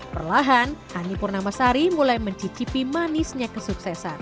perlahan hani purnama sari mulai mencicipi manisnya kesuksesan